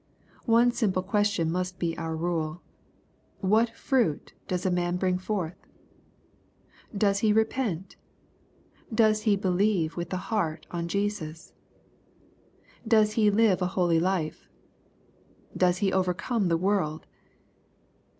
One simple question must bfe our rule. What fruit does a man bring forth ? Does he repent ? Does he believe with the heart on Jesus ?' Does he live a holy life ? Does he overcome the world